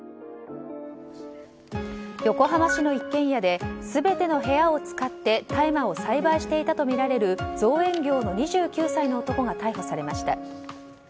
横浜市の一軒家で全ての部屋を使って大麻を栽培していたとみられる造園業の２９歳の男が逮捕されました。